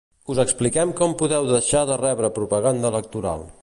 Us expliquem com podeu deixar de rebre propaganda electoral.